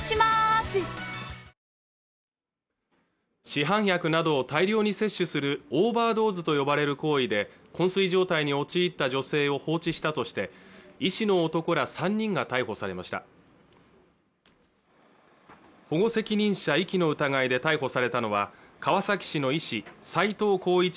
市販薬などを大量に摂取するオーバードーズと呼ばれる行為で昏睡状態に陥った女性を放置したとして医師の男ら３人が逮捕されました保護責任者遺棄の疑いで逮捕されたのは川崎市の医師斎藤浩一